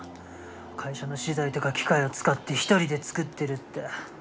会社の資材とか機械を使って一人で作ってるって。